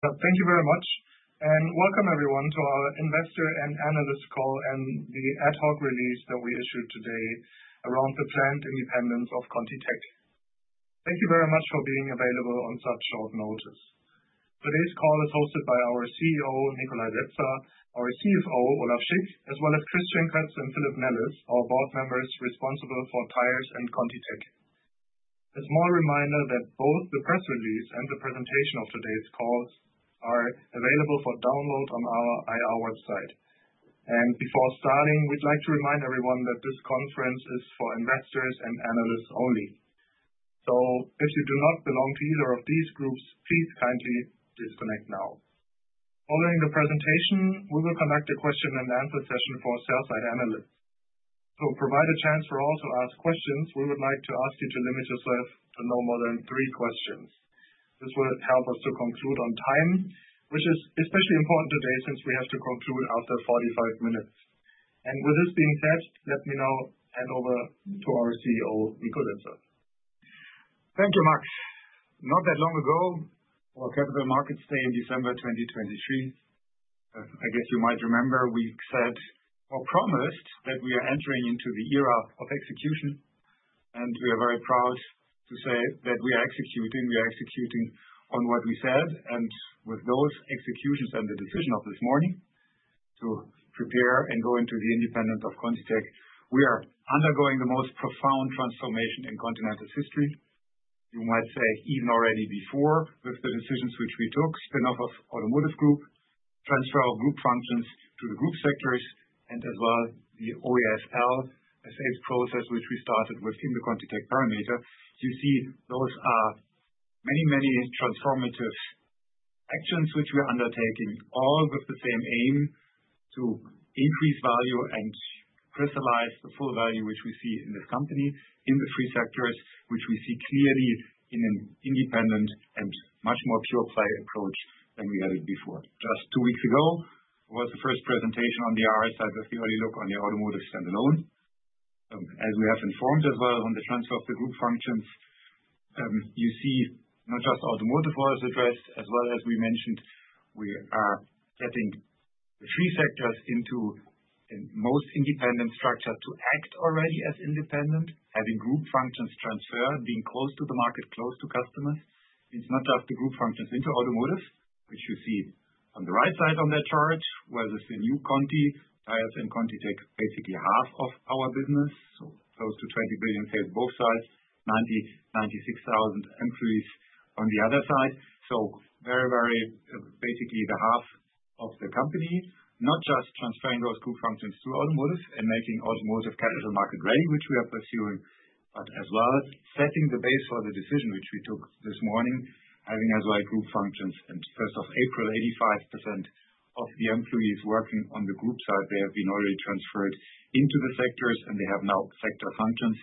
Thank you very much, and welcome everyone to our Investor and Analyst Call and the ad hoc Release that we issued today around the planned independence of ContiTech. Thank you very much for being available on such short notice. Today's call is hosted by our CEO, Nikolai Setzer, our CFO, Olaf Schick, as well as Christian Kötz and Philip Nelles, our board members responsible for Tires and ContiTech. A small reminder that both the press release and the presentation of today's calls are available for download on our IR website. Before starting, we'd like to remind everyone that this conference is for investors and analysts only. If you do not belong to either of these groups, please kindly disconnect now. Following the presentation, we will conduct a question-and-answer session for sell-side analysts. To provide a chance for all to ask questions, we would like to ask you to limit yourself to no more than three questions. This will help us to conclude on time, which is especially important today since we have to conclude after 45 minutes. With this being said, let me now hand over to our CEO, Nikolai Setzer. Thank you, Max. Not that long ago, our Capital Markets Days in December 2023, I guess you might remember, we said or promised that we are entering into the era of execution. We are very proud to say that we are executing. We are executing on what we said. With those executions and the decision of this morning to prepare and go into the independence of ContiTech, we are undergoing the most profound transformation in Continental history. You might say even already before with the decisions which we took, spin-off of Automotive Group, transfer of group functions to the group sectors, and as well the OESL, the sales process which we started within the ContiTech perimeter. You see, those are many, many transformative actions which we are undertaking, all with the same aim to increase value and crystallize the full value which we see in this company, in the three sectors which we see clearly in an independent and much more pure play approach than we had it before. Just two weeks ago, it was the first presentation on the IR side of the early look on the Automotive standalone. As we have informed as well on the transfer of the group functions, you see not just Automotive was addressed, as well as we mentioned, we are getting the three sectors into the most independent structure to act already as independent, having group functions transfer, being close to the market, close to customers. It's not just the group functions into Automotive, which you see on the right side on that chart, whereas the new Conti Tires and ContiTech basically half of our business, so close to 20 billion sales both sides, 96,000 employees on the other side. Very, very basically the half of the company, not just transferring those group functions to Automotive and making Automotive capital market ready, which we are pursuing, but as well setting the base for the decision which we took this morning, having as well group functions. First of April, 85% of the employees working on the group side, they have been already transferred into the sectors and they have now sector functions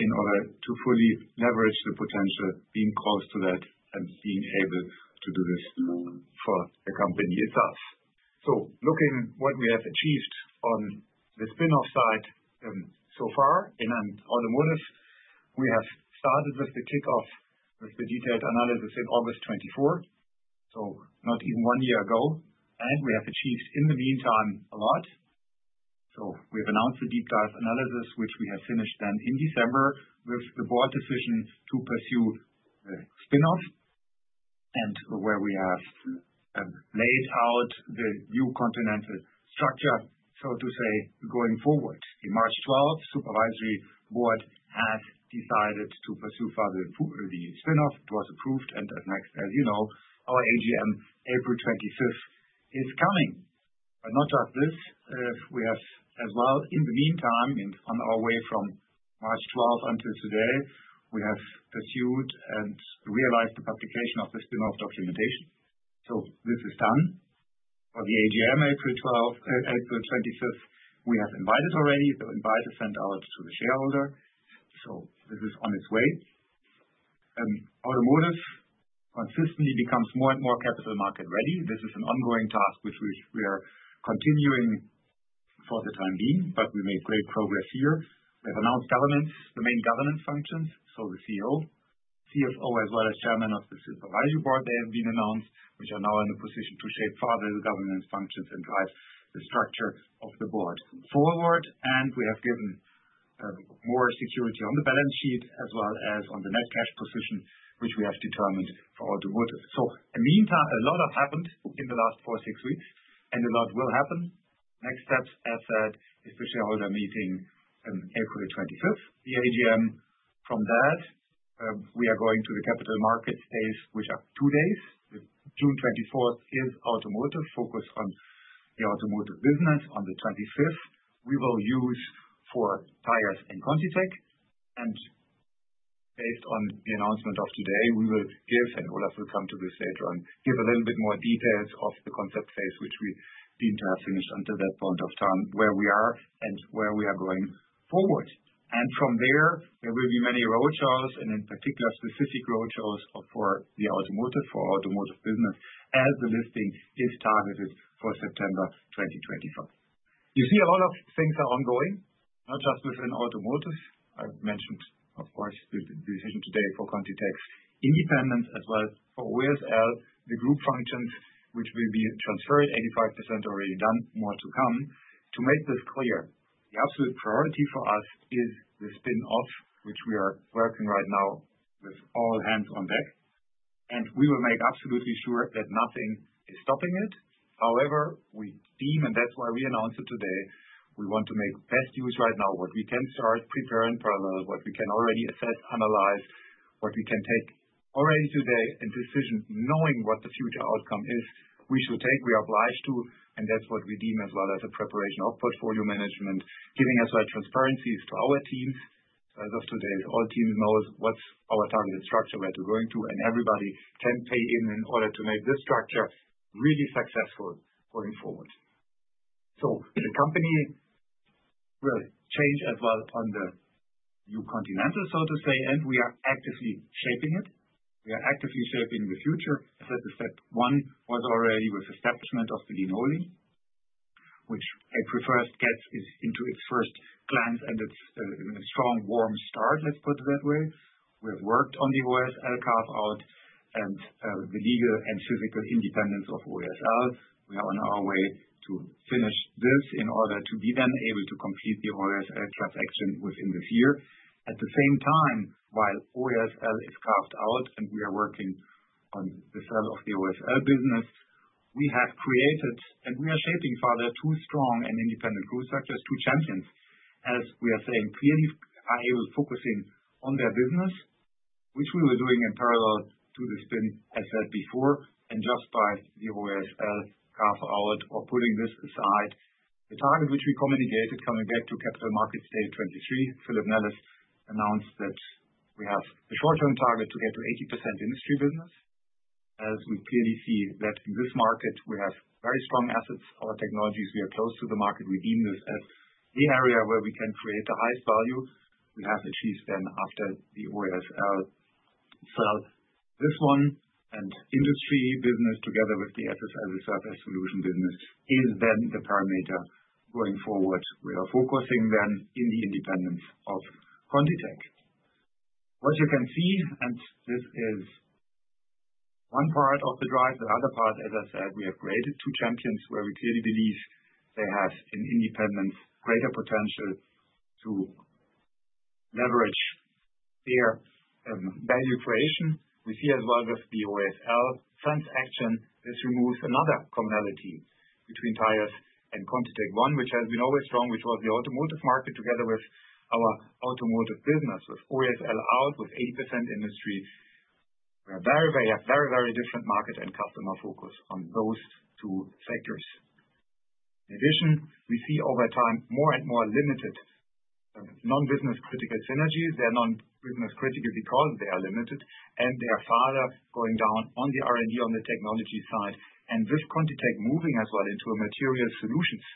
in order to fully leverage the potential being called to that and being able to do this for the company itself. Looking at what we have achieved on the spin-off side so far in Automotive, we have started with the kickoff with the detailed analysis in August 2024, so not even one year ago. We have achieved in the meantime a lot. We have announced the deep dive analysis, which we finished then in December with the board decision to pursue the spin-off and where we have laid out the new Continental structure, so to say, going forward. The March 12th Supervisory Board has decided to pursue further the spin-off. It was approved. As next, as you know, our AGM, April 25th, is coming. Not just this. We have as well, in the meantime, on our way from March 12th until today, pursued and realized the publication of the spin-off documentation. This is done for the AGM, April 12th, April 25th. We have invited already. Invite is sent out to the shareholder. This is on its way. Automotive consistently becomes more and more capital market ready. This is an ongoing task which we are continuing for the time being, but we made great progress here. We have announced governance, the main governance functions. The CEO, CFO, as well as Chairman of the Supervisory Board, they have been announced, which are now in a position to shape further the governance functions and drive the structure of the board forward. We have given more security on the balance sheet, as well as on the net cash position, which we have determined for Automotive. A lot has happened in the last four-six weeks and a lot will happen. Next steps, as said, is the shareholder meeting on April 25th, the AGM. From that, we are going to the capital market space, which are two days. June 24th is Automotive, focus on the Automotive business. On the 25th, we will use for Tires and ContiTech. Based on the announcement of today, we will give, and Olaf will come to this later on, give a little bit more details of the concept phase, which we deem to have finished until that point of time where we are and where we are going forward. From there, there will be many roadshows and in particular specific roadshows for the Automotive, for Automotive business as the listing is targeted for September 2025. You see, a lot of things are ongoing, not just within Automotive. I have mentioned, of course, the decision today for ContiTech's independence, as well for OESL, the group functions which will be transferred, 85% already done, more to come. To make this clear, the absolute priority for us is the spin-off, which we are working right now with all hands on deck. We will make absolutely sure that nothing is stopping it. However, we deem, and that's why we announced it today, we want to make best use right now what we can start preparing parallel, what we can already assess, analyze, what we can take already today and decision knowing what the future outcome is we should take, we are obliged to. That's what we deem as well as a preparation of portfolio management, giving as well transparencies to our teams. As of today, all teams know what's our targeted structure, where to go into, and everybody can pay in in order to make this structure really successful going forward. The company will change as well on the new Continental, so to say, and we are actively shaping it. We are actively shaping the future. As I said, step one was already with establishment of the legal entity, which I prefer gets into its first glance and its strong warm start, let's put it that way. We have worked on the OESL carve-out and the legal and physical independence of OESL. We are on our way to finish this in order to be then able to complete the OESL transaction within this year. At the same time, while OESL is carved out and we are working on the sale of the OESL business, we have created and we are shaping further two strong and independent group structures, two champions, as we are saying, clearly are able focusing on their business, which we were doing in parallel to the spin, as said before, and just by the OESL carve-out or putting this aside. The target which we communicated coming back to Capital Markets Days 2023, Philip Nelles announced that we have a short-term target to get to 80% industry business. As we clearly see that in this market, we have very strong assets, our technologies, we are close to the market. We deem this as the area where we can create the highest value. We have achieved then after the OESL sale, this one and industry business together with the SSL Surface Solution business is then the perimeter going forward. We are focusing then on the independence of ContiTech. What you can see, and this is one part of the drive, the other part, as I said, we have created two champions where we clearly believe they have in independence greater potential to leverage their value creation. We see as well with the OESL transaction, this removes another commonality between Tires and ContiTech, which has been always strong, which was the Automotive market together with our Automotive business. With OESL out, with 80% industry, we have very, very different market and customer focus on those two sectors. In addition, we see over time more and more limited non-business critical synergies. They're non-business critical because they are limited and they are further going down on the R&D on the technology side. With ContiTech moving as well into a material solutions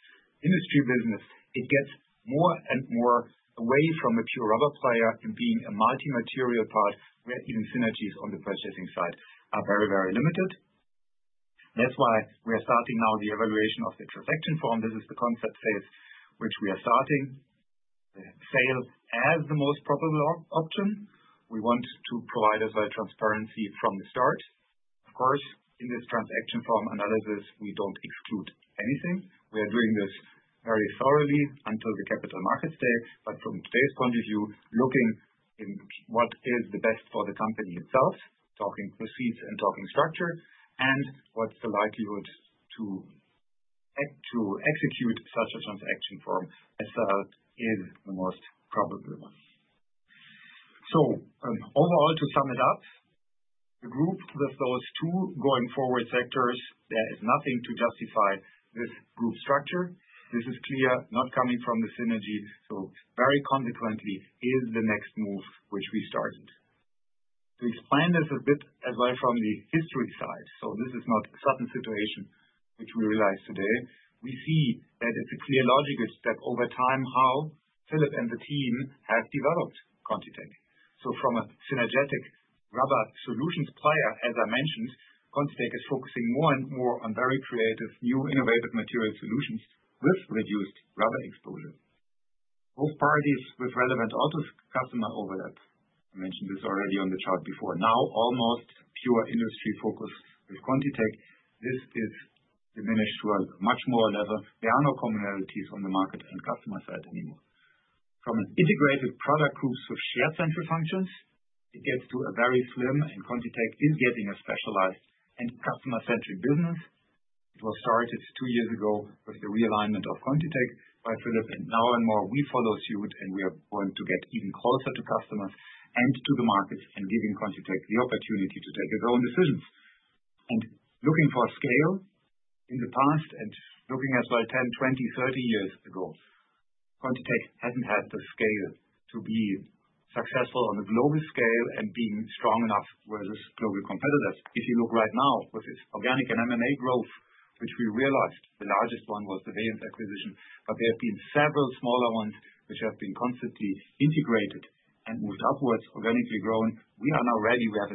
industry business, it gets more and more away from a pure rubber player and being a multi-material part where even synergies on the purchasing side are very, very limited. That's why we are starting now the evaluation of the transaction form. This is the concept phase which we are starting, sales as the most probable option. We want to provide as well transparency from the start. Of course, in this transaction form analysis, we don't exclude anything. We are doing this very thoroughly until the Capital Markets Days. From today's point of view, looking in what is the best for the company itself, talking proceeds and talking structure, and what's the likelihood to execute such a transaction form as sell is the most probable one. Overall, to sum it up, the group with those two going forward sectors, there is nothing to justify this group structure. This is clear not coming from the synergy. Very consequently is the next move which we started. To explain this a bit as well from the history side. This is not a sudden situation which we realize today. We see that it's a clear logical step over time how Philip and the team have developed ContiTech. From a synergetic rubber solutions player, as I mentioned, ContiTech is focusing more and more on very creative new innovative material solutions with reduced rubber exposure. Both parties with relevant auto customer overlaps. I mentioned this already on the chart before. Now almost pure industry focus with ContiTech. This is diminished to a much more level. There are no commonalities on the market and customer side anymore. From an integrated product groups with shared central functions, it gets to a very slim and ContiTech is getting a specialized and customer-centric business. It was started two years ago with the realignment of ContiTech by Philip. Now more we follow suit and we are going to get even closer to customers and to the markets and giving ContiTech the opportunity to take its own decisions. Looking for scale in the past and looking as well 10, 20, 30 years ago, ContiTech hasn't had the scale to be successful on a global scale and being strong enough versus global competitors. If you look right now with its organic and M&A growth, which we realized the largest one was the Vayance acquisition, but there have been several smaller ones which have been constantly integrated and moved upwards, organically grown. We are now ready. We have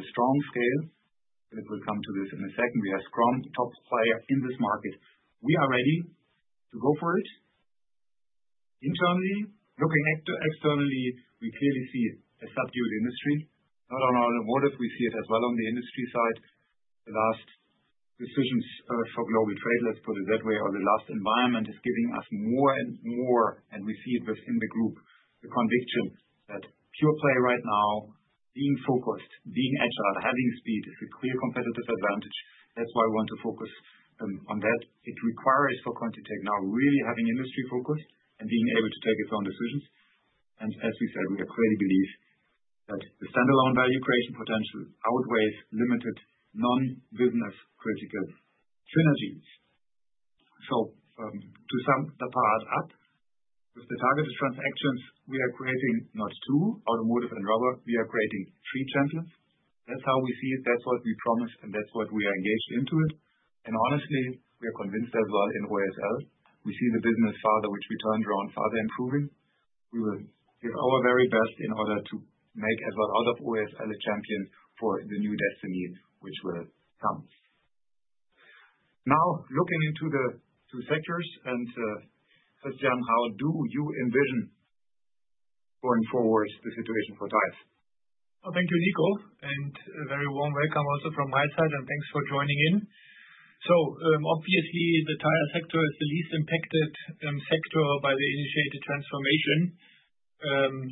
a strong scale. Philip will come to this in a second. We have strong top player in this market. We are ready to go for it internally. Looking externally, we clearly see a subdued industry. Not on Automotive. We see it as well on the industry side. The last decisions for global trade, let's put it that way, or the last environment is giving us more and more, and we see it within the group, the conviction that pure play right now, being focused, being agile, having speed is a clear competitive advantage. That's why we want to focus on that. It requires for ContiTech now really having industry focus and being able to take its own decisions. As we said, we clearly believe that the standalone value creation potential outweighs limited non-business critical synergies. To sum the part up, with the targeted transactions, we are creating not two Automotive and rubber. We are creating three champions. That is how we see it. That is what we promise, and that is what we are engaged into it. Honestly, we are convinced as well in OESL. We see the business further, which we turned around, further improving. We will give our very best in order to make as well out of OESL a champion for the new destinies which will come. Now looking into the two sectors and Christian, how do you envision going forward the situation for tires? Thank you, Nico, and a very warm welcome also from my side, and thanks for joining in. Obviously, the tire sector is the least impacted sector by the initiated transformation.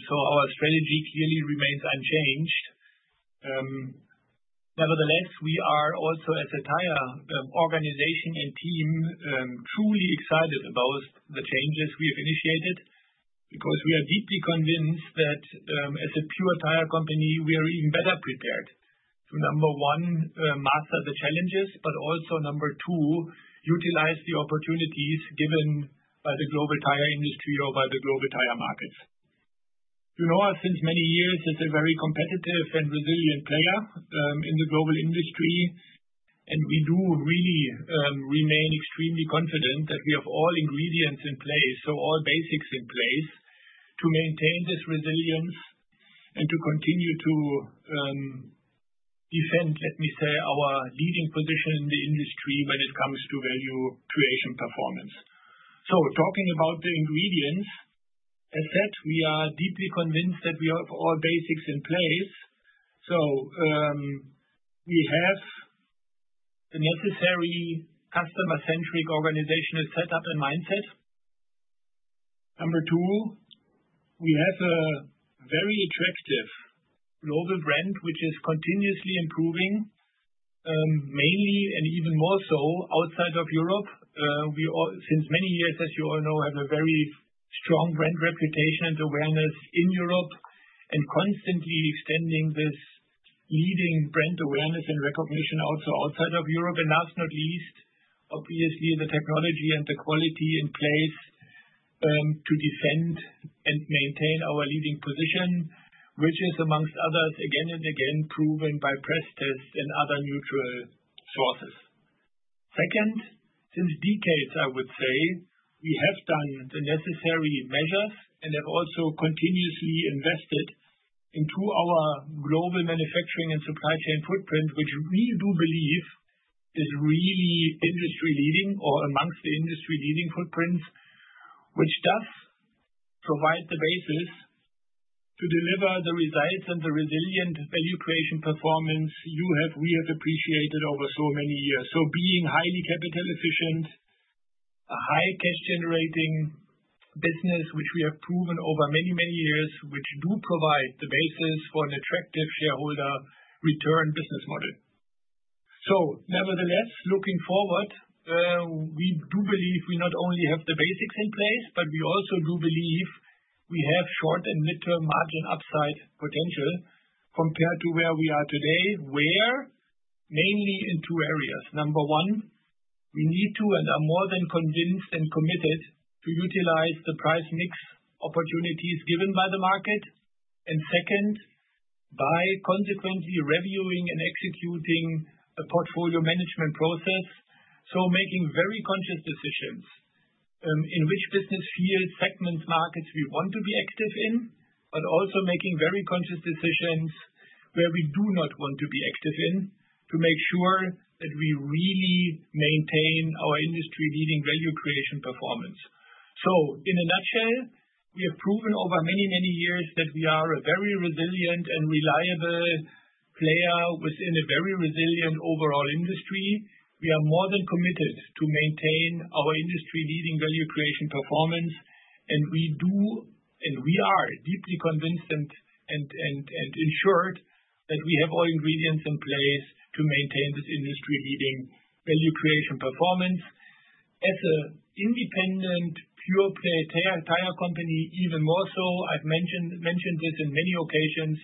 Our strategy clearly remains unchanged. Nevertheless, we are also as a tire organization and team truly excited about the changes we have initiated because we are deeply convinced that as a pure tire company, we are even better prepared to, number one, master the challenges, but also number two, utilize the opportunities given by the global tire industry or by the global tire markets. You know, since many years, it's a very competitive and resilient player in the global industry, and we do really remain extremely confident that we have all ingredients in place, so all basics in place to maintain this resilience and to continue to defend, let me say, our leading position in the industry when it comes to value creation performance. Talking about the ingredients, as said, we are deeply convinced that we have all basics in place. We have the necessary customer-centric organizational setup and mindset. Number two, we have a very attractive global brand, which is continuously improving, mainly and even more so outside of Europe. We since many years, as you all know, have a very strong brand reputation and awareness in Europe and constantly extending this leading brand awareness and recognition also outside of Europe. Last but not least, obviously, the technology and the quality in place to defend and maintain our leading position, which is amongst others, again and again, proven by press tests and other neutral sources. Second, since decades, I would say, we have done the necessary measures and have also continuously invested into our global manufacturing and supply chain footprint, which we do believe is really industry leading or amongst the industry leading footprints, which does provide the basis to deliver the results and the resilient value creation performance you have, we have appreciated over so many years. Being highly capital efficient, a high cash-generating business, which we have proven over many, many years, which do provide the basis for an attractive shareholder return business model. Nevertheless, looking forward, we do believe we not only have the basics in place, but we also do believe we have short and mid-term margin upside potential compared to where we are today, where mainly in two areas. Number one, we need to and are more than convinced and committed to utilize the price mix opportunities given by the market. Second, by consequently reviewing and executing a portfolio management process, making very conscious decisions in which business field segments markets we want to be active in, but also making very conscious decisions where we do not want to be active in to make sure that we really maintain our industry leading value creation performance. In a nutshell, we have proven over many, many years that we are a very resilient and reliable player within a very resilient overall industry. We are more than committed to maintain our industry leading value creation performance, and we do and we are deeply convinced and ensured that we have all ingredients in place to maintain this industry leading value creation performance. As an independent pure play tire company, even more so, I have mentioned this on many occasions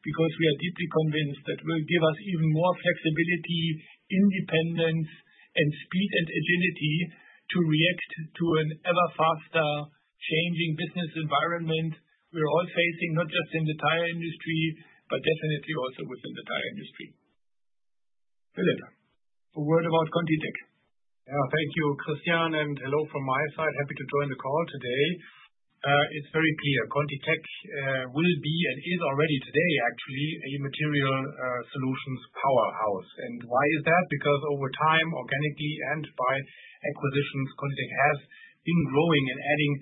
because we are deeply convinced that will give us even more flexibility, independence, and speed and agility to react to an ever faster changing business environment we are all facing, not just in the tire industry, but definitely also within the tire industry. Philip, a word about ContiTech. Yeah, thank you, Christian, and hello from my side. Happy to join the call today. It is very clear ContiTech will be and is already today actually a material solutions powerhouse. And why is that? Because over time, organically and by acquisitions, ContiTech has been growing and adding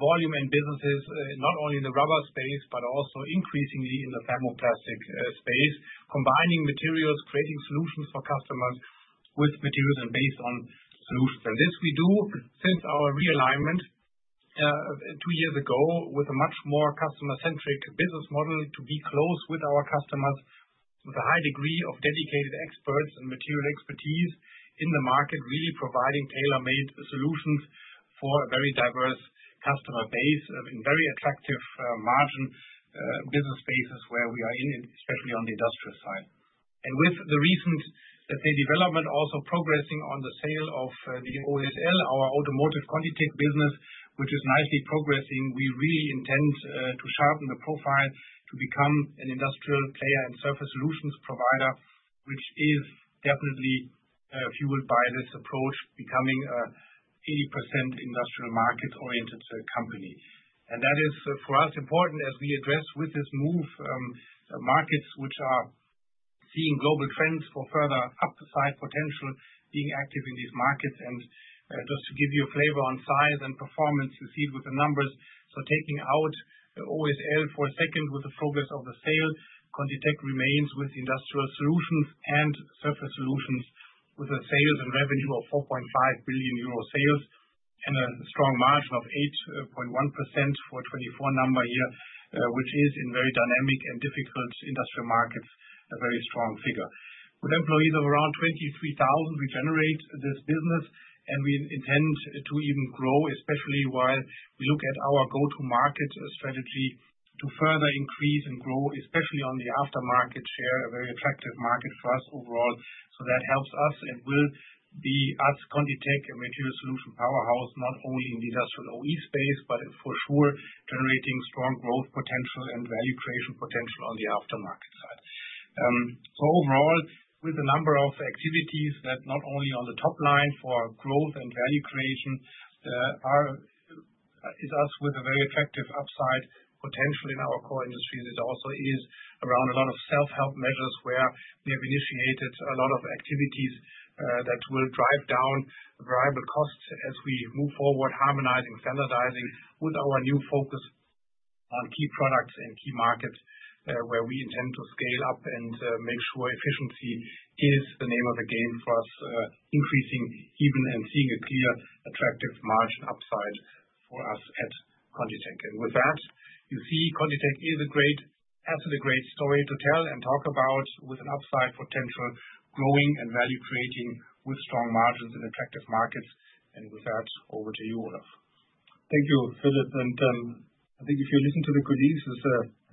volume and businesses not only in the rubber space, but also increasingly in the thermoplastic space, combining materials, creating solutions for customers with materials and based on solutions. This we do since our realignment two years ago with a much more customer-centric business model to be close with our customers with a high degree of dedicated experts and material expertise in the market, really providing tailor-made solutions for a very diverse customer base in very attractive margin business spaces where we are in, especially on the industrial side. With the recent, let's say, development also progressing on the sale of the OESL, our Automotive ContiTech business, which is nicely progressing, we really intend to sharpen the profile to become an industrial player and surface Solutions provider, which is definitely fueled by this approach becoming an 80% industrial market-oriented company. That is for us important as we address with this move markets which are seeing global trends for further upside potential being active in these markets. Just to give you a flavor on size and performance, you see it with the numbers. Taking out OESL for a second with the progress of the sale, ContiTech remains with industrial solutions and Surface Solutions with sales and revenue of 4.5 billion euro sales and a strong margin of 8.1% for a 2024 number here, which is in very dynamic and difficult industrial markets, a very strong figure. With employees of around 23,000, we generate this business and we intend to even grow, especially while we look at our go-to-market strategy to further increase and grow, especially on the aftermarket share, a very attractive market for us overall. That helps us and will be us ContiTech a material solution powerhouse not only in the industrial OE space, but for sure generating strong growth potential and value creation potential on the aftermarket side. Overall, with a number of activities that not only on the top line for growth and value creation is us with a very attractive upside potential in our core industries. It also is around a lot of self-help measures where we have initiated a lot of activities that will drive down variable costs as we move forward, harmonizing, standardizing with our new focus on key products and key markets where we intend to scale up and make sure efficiency is the name of the game for us, increasing even and seeing a clear attractive margin upside for us at ContiTech. With that, you see ContiTech has a great story to tell and talk about with an upside potential, growing and value creating with strong margins and attractive markets. With that, over to you, Olaf. Thank you, Philip. I think if you listen to the colleagues,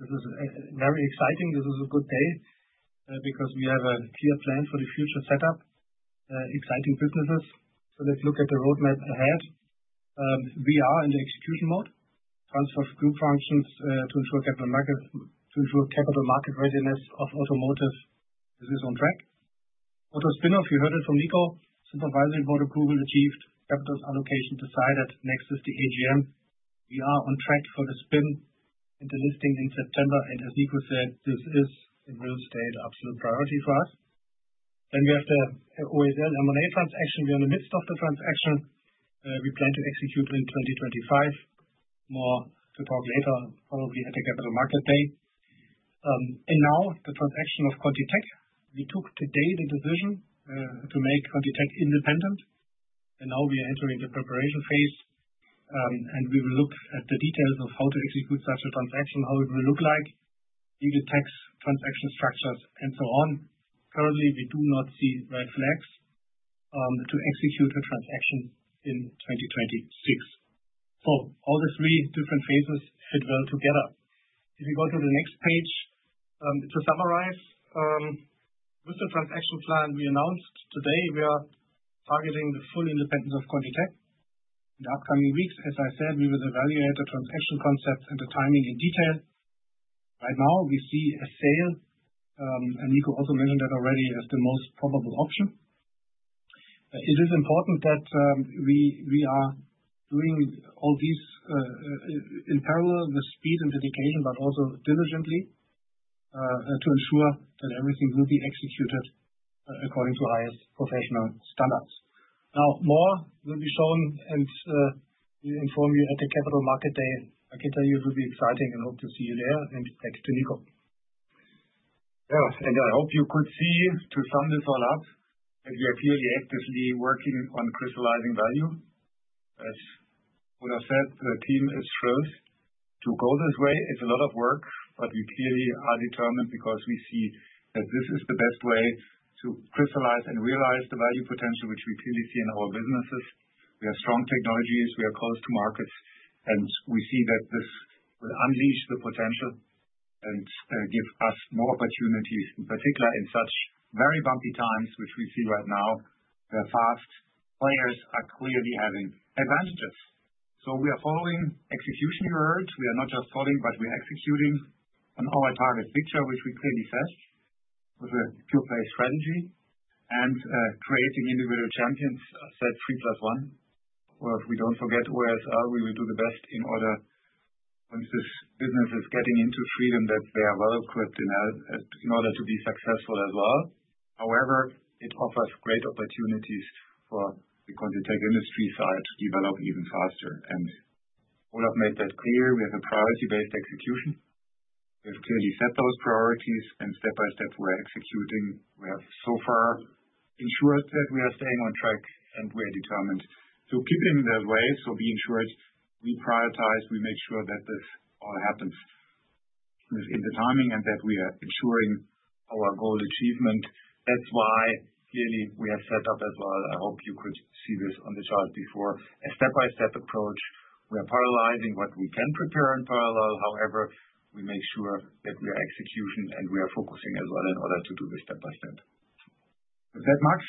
this is very exciting. This is a good day because we have a clear plan for the future setup, exciting businesses. Let's look at the roadmap ahead. We are in the execution mode, transfer group functions to ensure capital market readiness of Automotive. This is on track. Auto spin-off, you heard it from Nico, Supervisory Board approval achieved, capital allocation decided. Next is the AGM. We are on track for the spin and the listing in September. As Nico said, this is in real estate absolute priority for us. We have the OESL M&A transaction. We are in the midst of the transaction. We plan to execute in 2025. More to talk later, probably at the Capital Markets Day. Now the transaction of ContiTech. We took today the decision to make ContiTech independent. We are entering the preparation phase, and we will look at the details of how to execute such a transaction, how it will look like, legal tax transaction structures, and so on. Currently, we do not see red flags to execute a transaction in 2026. All the three different phases fit well together. If you go to the next page, to summarize, with the transaction plan we announced today, we are targeting the full independence of ContiTech. In the upcoming weeks, as I said, we will evaluate the transaction concepts and the timing in detail. Right now, we see a sale, and Nico also mentioned that already as the most probable option. It is important that we are doing all these in parallel, with speed and dedication, but also diligently to ensure that everything will be executed according to highest professional standards. Now more will be shown, and we inform you at the Capital Markets Day. I can tell you it will be exciting, and hope to see you there. Back to Nico. Yeah, I hope you could see to sum this all up that we are clearly actively working on crystallizing value. As Olaf said, the team is thrilled to go this way. It's a lot of work, but we clearly are determined because we see that this is the best way to crystallize and realize the value potential which we clearly see in our businesses. We have strong technologies, we are close to markets, and we see that this will unleash the potential and give us more opportunities, in particular in such very bumpy times which we see right now, where fast players are clearly having advantages. We are following execution, you heard. We are not just following, but we are executing on our target picture, which we clearly said, with a pure play strategy and creating individual champions, a set three plus one. If we do not forget OESL, we will do the best in order once this business is getting into freedom, that they are well equipped in order to be successful as well. However, it offers great opportunities for the ContiTech industry side to develop even faster. Olaf made that clear. We have a priority-based execution. We have clearly set those priorities, and step by step, we are executing. We have so far ensured that we are staying on track and we are determined. Keeping the way, be ensured we prioritize, we make sure that this all happens within the timing and that we are ensuring our goal achievement. That's why clearly we have set up as well. I hope you could see this on the chart before, a step-by-step approach. We are parallelizing what we can prepare in parallel. However, we make sure that we are executing and we are focusing as well in order to do this step by step. With that, Max,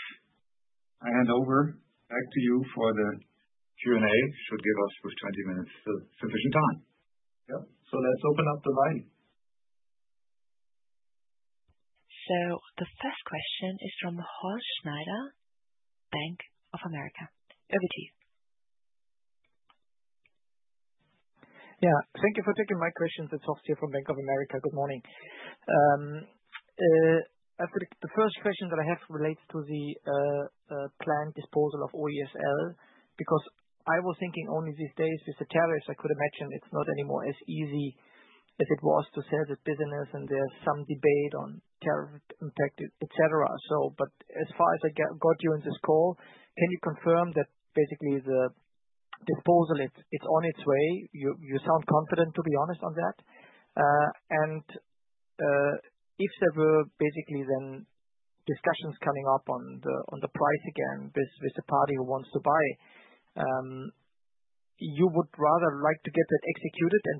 I hand over back to you for the Q&A. Should give us with 20 minutes sufficient time. Yeah, let's open up the line. The first question is from Horst Schneider, Bank of America. Over to you. Yeah, thank you for taking my questions. It's Horst here from Bank of America. Good morning. I've got the first question that I have relates to the planned disposal of OESL because I was thinking only these days with the tariffs, I could imagine it's not anymore as easy as it was to sell the business, and there's some debate on tariff impact, etc. As far as I got you in this call, can you confirm that basically the disposal, it's on its way? You sound confident, to be honest, on that. If there were basically then discussions coming up on the price again with the party who wants to buy, you would rather like to get that executed and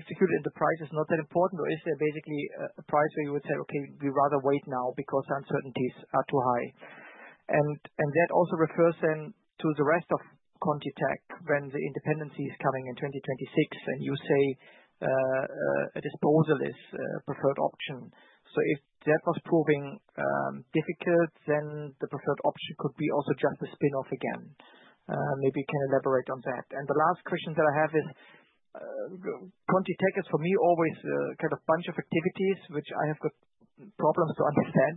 executed if the price is not that important, or is there basically a price where you would say, "Okay, we rather wait now because uncertainties are too high"? That also refers then to the rest of ContiTech when the independency is coming in 2026, and you say a disposal is a preferred option. If that was proving difficult, the preferred option could be also just the spin-off again. Maybe you can elaborate on that. The last question that I have is ContiTech is for me always kind of a bunch of activities, which I have got problems to understand,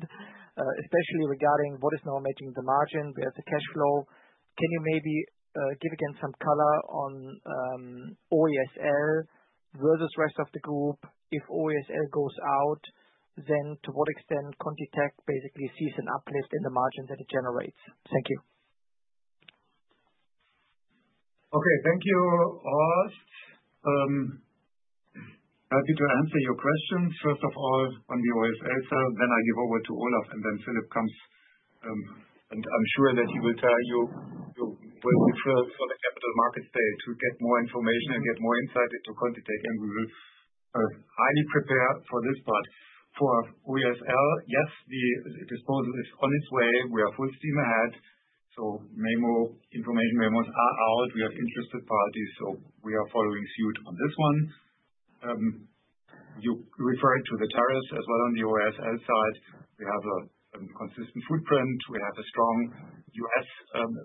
especially regarding what is now making the margin, where's the cash flow. Can you maybe give again some color on OESL versus rest of the group? If OESL goes out, then to what extent ContiTech basically sees an uplift in the margin that it generates? Thank you. Okay, thank you, Horst. Happy to answer your questions. First of all, on the OESL side, then I give over to Olaf, and then Philip comes. I am sure that he will tell you we will refer for the Capital Markets Days to get more information and get more insight into ContiTech, and we will highly prepare for this part. For OESL, yes, the disposal is on its way. We are full steam ahead. Information memos are out. We have interested parties, so we are following suit on this one. You referred to the tariffs as well on the OESL side. We have a consistent footprint. We have a strong US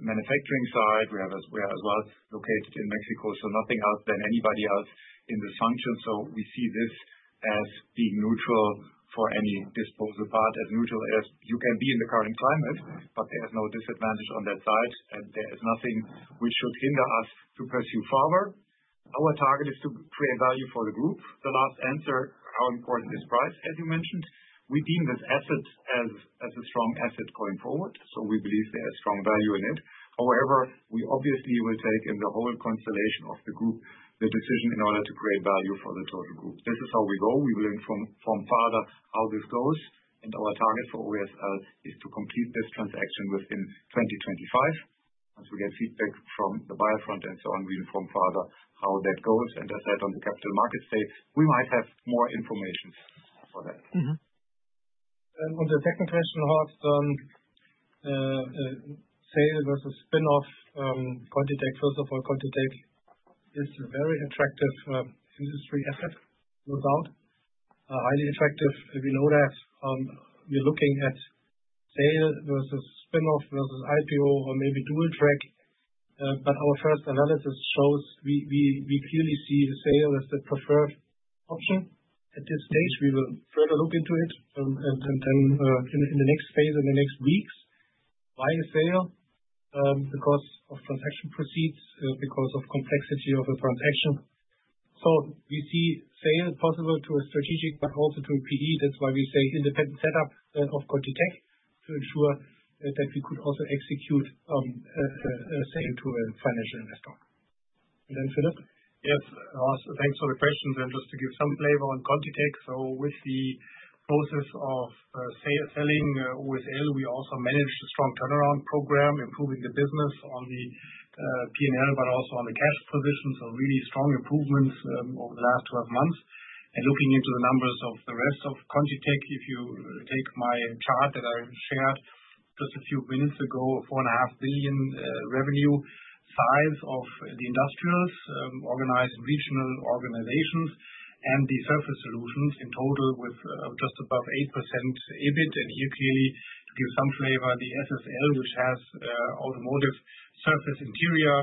manufacturing side. We are as well located in Mexico, so nothing else than anybody else in this function. We see this as being neutral for any disposal part, as neutral as you can be in the current climate, but there is no disadvantage on that side, and there is nothing which should hinder us to pursue further. Our target is to create value for the group. The last answer, how important is price, as you mentioned? We deem this asset as a strong asset going forward, so we believe there is strong value in it. However, we obviously will take in the whole constellation of the group, the decision in order to create value for the total group. This is how we go. We will inform farther how this goes, and our target for OESL is to complete this transaction within 2025. Once we get feedback from the buyer front and so on, we inform farther how that goes. As I said on the Capital Markets Days, we might have more information for that. On the second question, Horst, sale versus spin-off ContiTech. First of all, ContiTech is a very attractive industry asset, no doubt, highly attractive. We know that. We are looking at sale versus spin-off versus IPO or maybe dual track, but our first analysis shows we clearly see sale as the preferred option. At this stage, we will further look into it and then in the next phase, in the next weeks. Why sale? Because of transaction proceeds, because of complexity of the transaction. We see sale possible to a strategic, but also to a PE. That is why we say independent setup of ContiTech to ensure that we could also execute a sale to a financial investor. Philip? Yes, Horst, thanks for the questions. To give some flavor on ContiTech, with the process of selling OESL, we also managed a strong turnaround program, improving the business on the P&L, but also on the cash position. Really strong improvements over the last 12 months. Looking into the numbers of the rest of ContiTech, if you take my chart that I shared just a few minutes ago, 4.5 billion revenue size of the industrials, organized regional organizations, and the surface solutions in total with just above 8% EBIT. Here, clearly, to give some flavor, the SSL, which has Automotive surface interior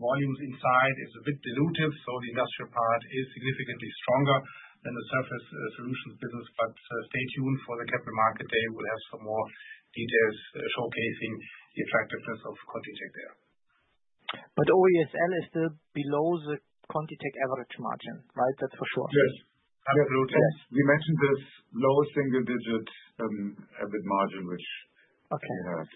volumes inside, is a bit dilutive. The industrial part is significantly stronger than the Surface Solutions business. Stay tuned for the Capital Markets Day. We will have some more details showcasing the attractiveness of ContiTech there. OESL is still below the ContiTech average margin, right? That's for sure. Yes, absolutely. We mentioned this low single-digit EBIT margin, which we have.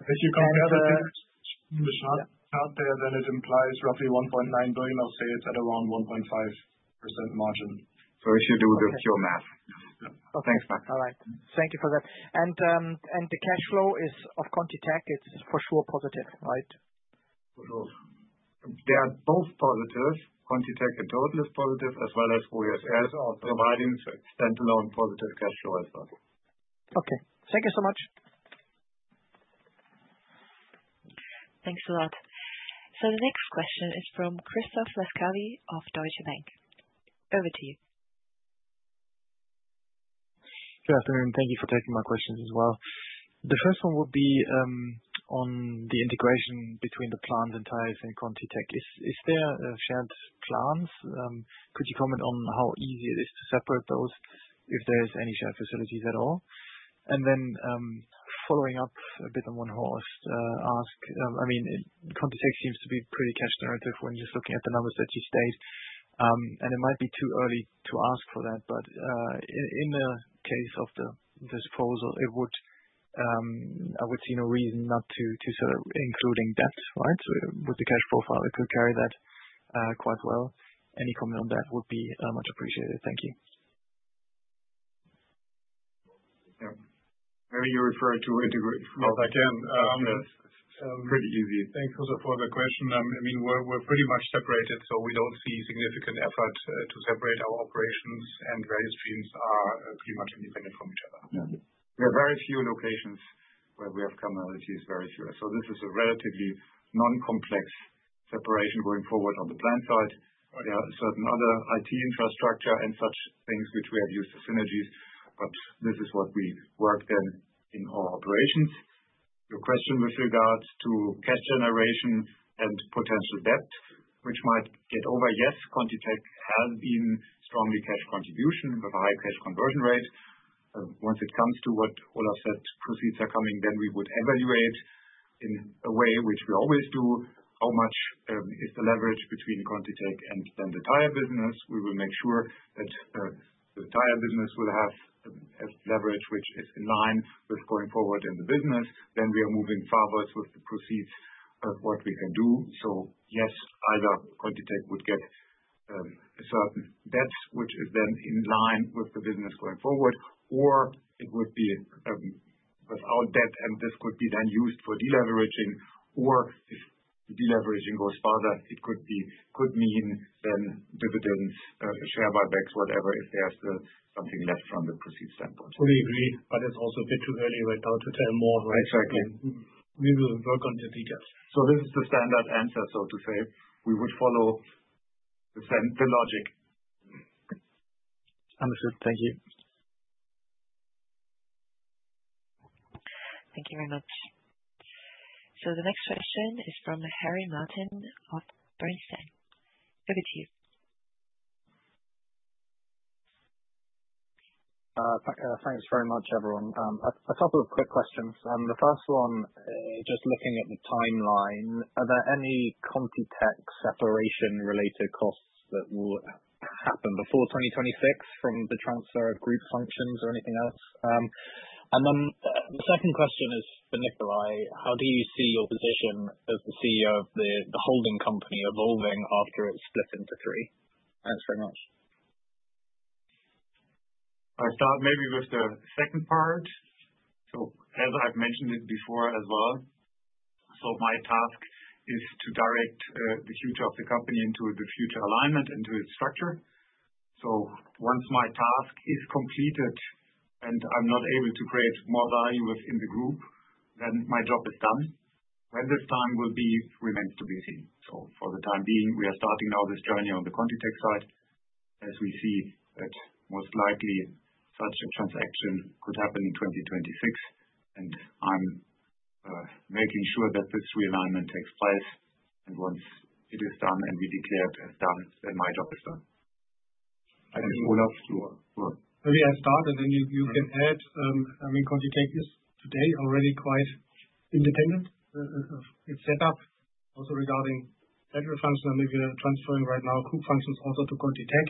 If you compare the chart there, then it implies roughly 1.9 billion of sales at around 1.5% margin. If you do the pure math. Thanks, Max. All right. Thank you for that. The cash flow of ContiTech, it's for sure positive, right? For sure. They are both positive. ContiTech in total is positive, as well as OESL providing standalone positive cash flow as well. Okay. Thank you so much. Thanks a lot. The next question is from Christoph Laskawi of Deutsche Bank. Over to you. Good afternoon. Thank you for taking my questions as well. The first one would be on the integration between the plants and Tires in ContiTech. Is there shared plants? Could you comment on how easy it is to separate those, if there are any shared facilities at all? Following up a bit on what Horst asked, I mean, ContiTech seems to be pretty cash-generative when just looking at the numbers that you state. It might be too early to ask for that, but in the case of the disposal, I would see no reason not to sort of include that, right? With the cash profile, it could carry that quite well. Any comment on that would be much appreciated. Thank you. Maybe you refer to it again. It's pretty easy. Thanks also for the question. I mean, we're pretty much separated, so we don't see significant effort to separate our operations, and various streams are pretty much independent from each other. There are very few locations where we have commonalities, very few. This is a relatively non-complex separation going forward on the plan side. There are certain other IT infrastructure and such things which we have used the synergies, but this is what we work then in our operations. Your question with regards to cash generation and potential debt, which might get over, yes, ContiTech has been strongly cash contribution with a high cash conversion rate. Once it comes to what Olaf said, proceeds are coming, then we would evaluate in a way which we always do, how much is the leverage between ContiTech and then the tire business. We will make sure that the tire business will have leverage, which is in line with going forward in the business. We are moving further with the proceeds of what we can do. Yes, either ContiTech would get a certain debt, which is then in line with the business going forward, or it would be without debt, and this could be then used for deleveraging. If deleveraging goes further, it could mean then dividends, share buybacks, whatever, if there's something left from the proceeds standpoint. Fully agree, but it's also a bit too early right now to tell more. Exactly. We will work on the details. This is the standard answer, so to say. We would follow the logic. Understood. Thank you. Thank you very much. The next question is from Harry Martin of Bernstein. Over to you. Thanks very much, everyone. A couple of quick questions. The first one, just looking at the timeline, are there any ContiTech separation-related costs that will happen before 2026 from the transfer of group functions or anything else? The second question is for Nikolai. How do you see your position as the CEO of the holding company evolving after it is split into three? Thanks very much. I'll start maybe with the second part. As I've mentioned it before as well, my task is to direct the future of the company into the future alignment and to its structure. Once my task is completed and I'm not able to create more value within the group, then my job is done. When this time will be remains to be seen. For the time being, we are starting now this journey on the ContiTech side as we see that most likely such a transaction could happen in 2026. I'm making sure that this realignment takes place. Once it is done and we declare it as done, then my job is done. Thank you, Olaf. Maybe I start and then you can add. I mean, ContiTech is today already quite independent in setup. Also regarding battery function, I'm maybe transferring right now group functions also to ContiTech.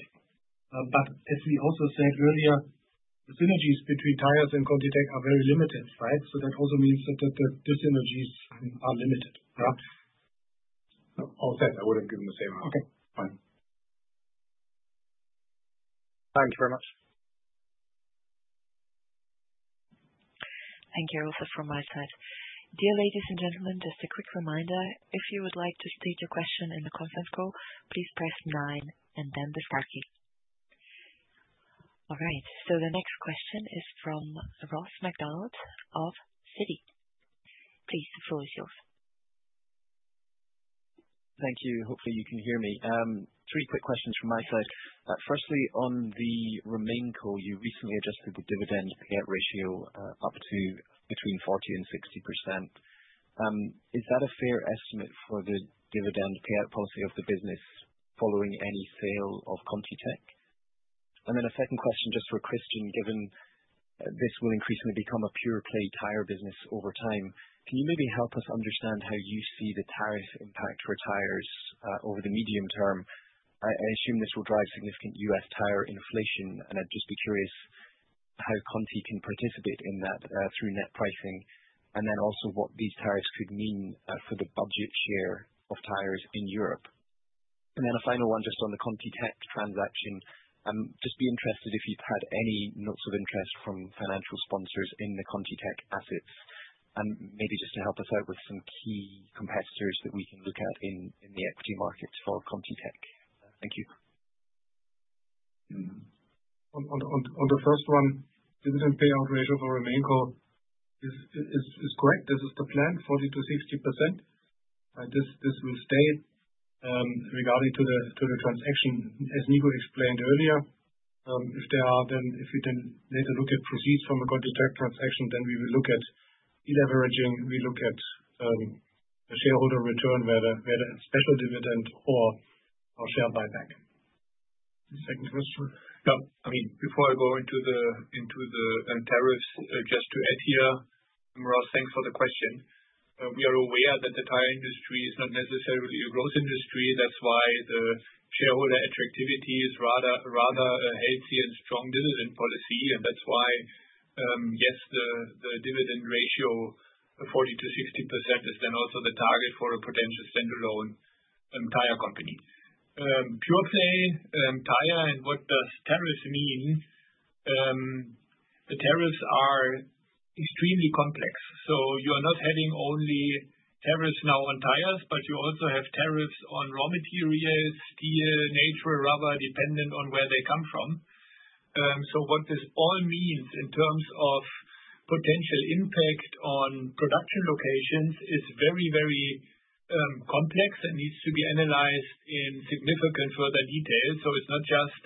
As we also said earlier, the synergies between Tires and ContiTech are very limited, right? That also means that the synergies are limited. All set. I would have given the same answer. Okay. Fine. Thank you very much. Thank you also from my side. Dear ladies and gentlemen, just a quick reminder, if you would like to state your question in the conference call, please press nine and then the star key. All right. The next question is from Ross Alexander MacDonald of Citigroup. Please, the floor is yours. Thank you. Hopefully, you can hear me. Three quick questions from my side. Firstly, on the RemainCo, you recently adjusted the dividend payout ratio up to between 40% and 60%. Is that a fair estimate for the dividend payout policy of the business following any sale of ContiTech? A second question just for Christian, given this will increasingly become a pure play tire business over time, can you maybe help us understand how you see the tariff impact for tires over the medium term? I assume this will drive significant US tire inflation, and I'd just be curious how Conti can participate in that through net pricing, and also what these tariffs could mean for the budget share of tires in Europe. A final one just on the ContiTech transaction. I'm just be interested if you've had any notes of interest from financial sponsors in the ContiTech assets, and maybe just to help us out with some key competitors that we can look at in the equity market for ContiTech. Thank you. On the first one, dividend payout ratio for Remainco is correct. This is the plan, 40%-60%. This will stay regarding to the transaction. As Nico explained earlier, if we then later look at proceeds from a ContiTech transaction, then we will look at deleveraging, we look at shareholder return where there is special dividend or share buyback. Second question. Yeah. I mean, before I go into the tariffs, just to add here, Ross, thanks for the question. We are aware that the tire industry is not necessarily a growth industry. That's why the shareholder attractivity is rather healthy and strong dividend policy. That's why, yes, the dividend ratio of 40-60% is then also the target for a potential standalone tire company. Pure play tire and what does tariffs mean? The tariffs are extremely complex. You are not having only tariffs now on tires, but you also have tariffs on raw materials, steel, natural rubber, dependent on where they come from. What this all means in terms of potential impact on production locations is very, very complex and needs to be analyzed in significant further detail. It's not just,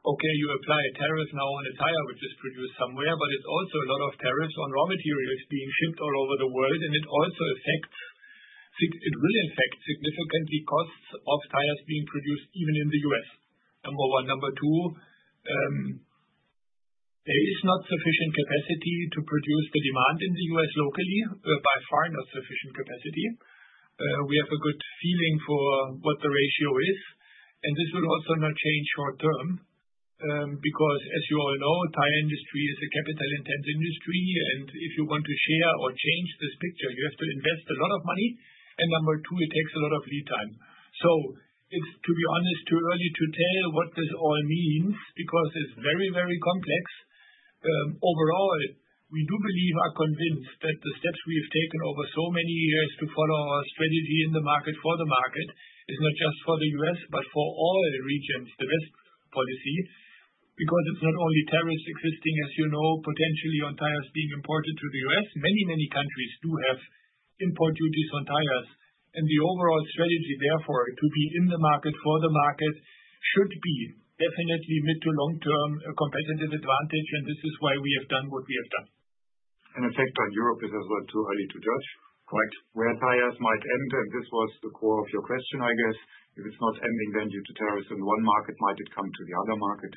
okay, you apply a tariff now on a tire, which is produced somewhere, but it's also a lot of tariffs on raw materials being shipped all over the world. It also affects, it will affect significantly costs of tires being produced even in the US. Number one. Number two, there is not sufficient capacity to produce the demand in the US locally, by far not sufficient capacity. We have a good feeling for what the ratio is. This will also not change short term because, as you all know, tire industry is a capital-intense industry. If you want to share or change this picture, you have to invest a lot of money. Number two, it takes a lot of lead time. To be honest, it is too early to tell what this all means because it is very, very complex. Overall, we do believe, are convinced that the steps we have taken over so many years to follow our strategy in the market for the market is not just for the US, but for all regions, the best policy, because it's not only tariffs existing, as you know, potentially on tires being imported to the US. Many, many countries do have import duties on tires. The overall strategy, therefore, to be in the market for the market should be definitely mid to long-term a competitive advantage. This is why we have done what we have done. The fact that Europe is as well too early to judge where tires might end. This was the core of your question, I guess. If it's not ending, then due to tariffs in one market, might it come to the other market?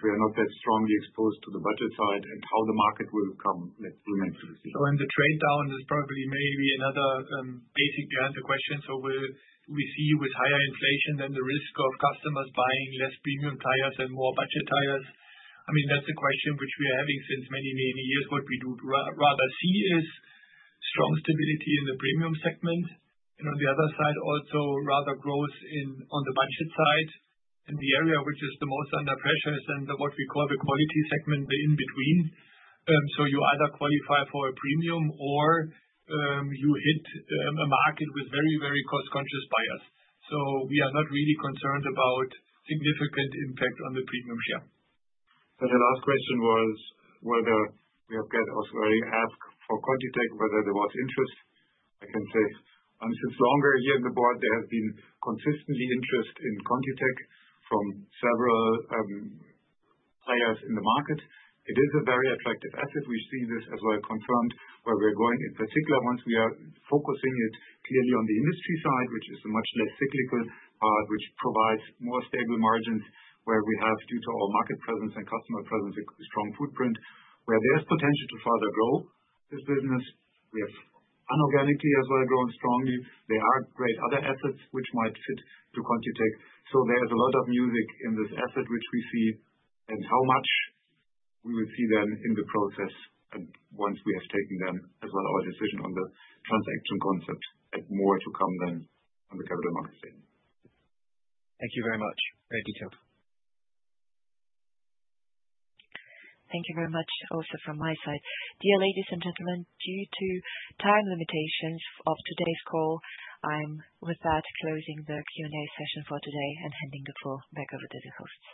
We are not that strongly exposed to the budget side and how the market will come remains to be seen. The trade down is probably maybe another basic behind the question. We see with higher inflation, then the risk of customers buying less premium tires and more budget tires. I mean, that's a question which we are having since many, many years. What we do rather see is strong stability in the premium segment. On the other side, also rather growth on the budget side. The area which is the most under pressure is then what we call the quality segment, the in-between. You either qualify for a premium or you hit a market with very, very cost-conscious buyers. We are not really concerned about significant impact on the premium share. The last question was whether we have got also a very ask for ContiTech, whether there was interest. I can say since longer here in the board, there has been consistently interest in ContiTech from several players in the market. It is a very attractive asset. We see this as well confirmed where we're going in particular once we are focusing it clearly on the industry side, which is a much less cyclical part, which provides more stable margins where we have, due to our market presence and customer presence, a strong footprint where there's potential to further grow this business. We have unorganically as well grown strongly. There are great other assets which might fit to ContiTech. There is a lot of music in this asset which we see and how much we will see then in the process once we have taken then as well our decision on the transaction concept and more to come then on the capital market side. Thank you very much. Very detailed. Thank you very much also from my side. Dear ladies and gentlemen, due to time limitations of today's call, I am with that closing the Q&A session for today and handing the floor back over to the hosts.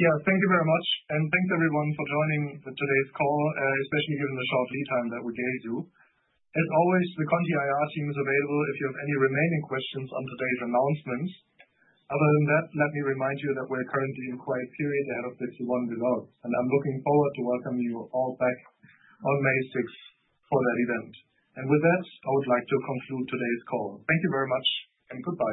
Yeah, thank you very much. And thanks everyone for joining today's call, especially given the short lead time that we gave you. As always, the Conti IR team is available if you have any remaining questions on today's announcements. Other than that, let me remind you that we are currently in quiet period ahead of Q1 results. I am looking forward to welcoming you all back on May 6th for that event. With that, I would like to conclude today's call. Thank you very much and goodbye.